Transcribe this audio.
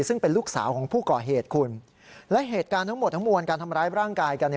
ซึ่งเป็นลูกสาวของผู้ก่อเหตุคุณและเหตุการณ์ทั้งหมดทั้งมวลการทำร้ายร่างกายกันเนี่ย